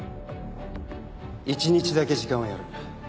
一日だけ時間をやる。